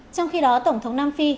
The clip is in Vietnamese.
trong khi đó tổng thống nam phi